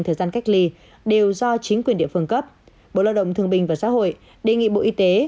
thời gian cách ly đều do chính quyền địa phương cấp bộ lao động thương bình và xã hội đề nghị bộ y tế